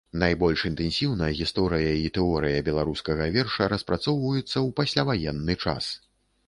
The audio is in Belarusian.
Найбольш інтэнсіўна гісторыя і тэорыя беларускага верша распрацоўваюцца ў пасляваенны час.